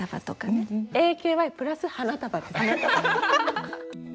ＡＫＹプラス花束ですね。